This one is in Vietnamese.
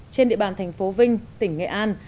trên địa bàn tp vinh tỉnh nghệ an